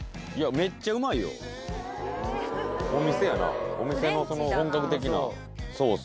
めっちゃうまいよお店やなお店のその本格的なソース